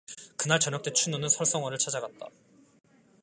그날 저녁 때 춘우는 설성월을 찾아갔다.